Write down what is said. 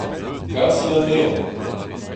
Kasit anezhañ.